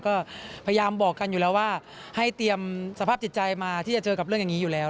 ก็พยายามบอกกันอยู่แล้วว่าให้เตรียมสภาพจิตใจมาที่จะเจอกับเรื่องอย่างนี้อยู่แล้ว